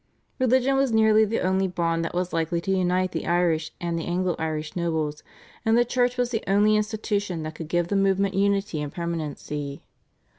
Religion was nearly the only bond that was likely to unite the Irish and the Anglo Irish nobles, and the Church was the only institution that could give the movement unity and permanency.